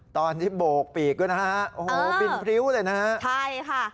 ตอนนี้โบกปีกด้วยนะฮะโอ้โหบินพริ้วเลยนะฮะใช่ค่ะ